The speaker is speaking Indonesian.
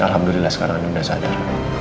alhamdulillah sekarang kamu udah sadar